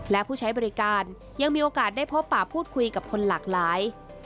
และผู้ใช้บริการยังมีโอกาสได้พบป่าพูดคุยกับคนหลากหลาย